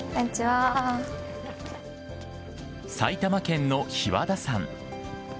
埼玉県の日和田山。